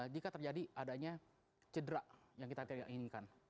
jika terjadi adanya cedera yang kita tidak inginkan